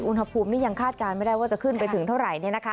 อุณหภูมินี่ยังคาดการณ์ไม่ได้ว่าจะขึ้นไปถึงเท่าไหร่